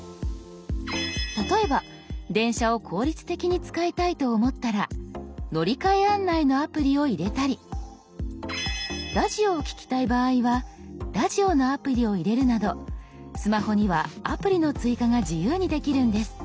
例えば電車を効率的に使いたいと思ったら乗換案内のアプリを入れたりラジオを聞きたい場合はラジオのアプリを入れるなどスマホにはアプリの追加が自由にできるんです。